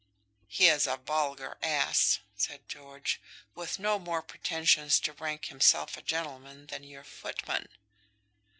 "He is a vulgar ass," said George, "with no more pretensions to rank himself a gentleman than your footman."